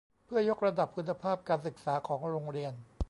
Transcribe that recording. เพื่อยกระดับคุณภาพการศึกษาของโรงเรียน